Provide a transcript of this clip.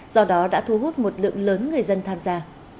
do đó đã thu hút một lượng lớn người dân tham gia